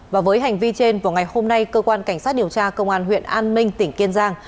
và với hành vi trên vào ngày hôm nay cơ quan cảnh sát điều tra công an huyện an minh tỉnh kiên giang